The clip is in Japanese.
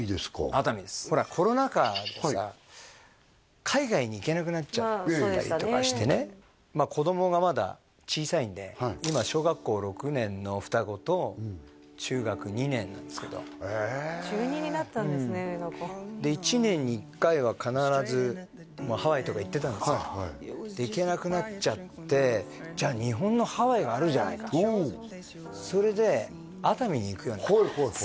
熱海ですほらコロナ禍でさ海外に行けなくなっちゃったりとかしてね子供がまだ小さいんで今小学校６年の双子と中学２年なんですけどへえで１年に１回は必ずハワイとか行ってたんですけど行けなくなっちゃってじゃあ日本のハワイがあるじゃないかそれで熱海に行くようになったんですよ